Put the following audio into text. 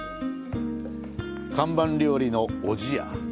看板料理の「おじや」。